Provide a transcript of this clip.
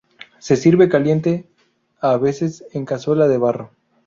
Se sirve caliente, a veces en cazuela de barro.